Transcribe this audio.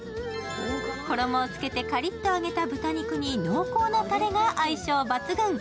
衣をつけてカリッと揚げた豚肉に濃厚なたれが相性抜群。